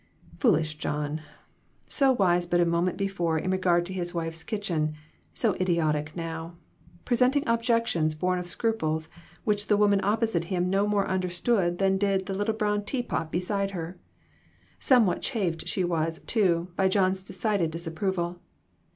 Foolish John ! So wise but a moment before in regard to his wife's kitchen, so idiotic now; presenting objections born of scruples which the woman opposite him no more understood than did the little brown tea pot beside her. Somewhat chafed she was, too, by John's decided disap proval.